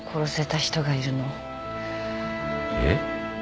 えっ？